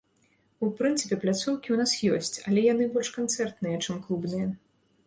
У прынцыпе пляцоўкі ў нас ёсць, але яны больш канцэртныя, чым клубныя.